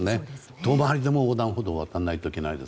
遠回りでも横断歩道を渡らないといけないです。